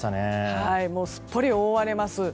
すっぽり覆われます。